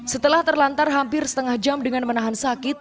setelah terlantar hampir setengah jam dengan menahan sakit